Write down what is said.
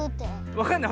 わかんない？